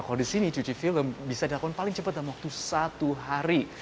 kalau di sini cuci film bisa dilakukan paling cepat dalam waktu satu hari